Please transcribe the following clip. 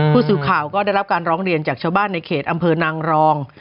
ผู้สื่อข่าวก็ได้รับการร้องเรียนจากชาวบ้านในเขตอำเภอนางรอง